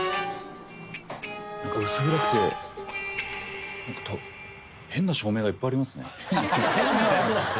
薄暗くて変な照明がいっぱいありますね。